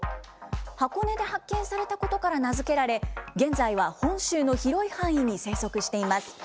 箱根で発見されたことから名付けられ、現在は本州の広い範囲に生息しています。